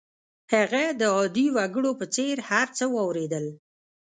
هغه د عادي وګړو په څېر هر څه واورېدل